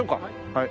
はい。